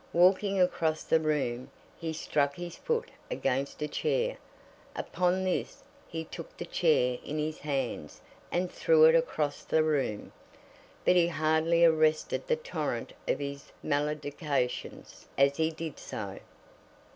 Walking across the room, he struck his foot against a chair; upon this, he took the chair in his hands, and threw it across the room. But he hardly arrested the torrent of his maledictions as he did so.